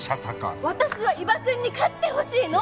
私は伊庭くんに勝ってほしいの！